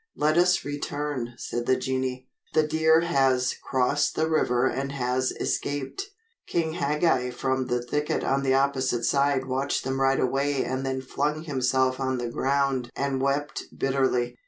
"Let us return," said the genii. "The deer has crossed the river and has escaped." King Hagag from the thicket on the opposite side watched them ride away and then flung himself on the ground and wept bitterly.